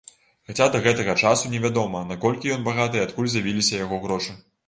Хаця да гэтага часу невядома, наколькі ён багаты і адкуль з'явіліся яго грошы.